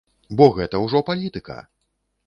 Бо гэта ўжо палітыка!